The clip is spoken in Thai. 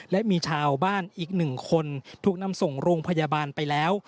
และมีชาวบ้านอีกหนึ่งคนถูกนำส่งโรงพยาบาลไปแล้ว